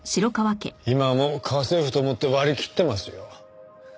今はもう家政婦と思って割り切ってますよ。